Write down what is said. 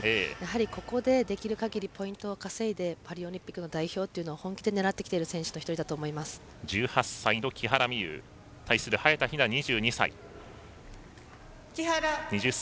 ここでできるかぎりポイントを稼いでパリオリンピックの代表を本気で狙ってきている選手の１８歳の木原美悠対する早田ひな、２２歳。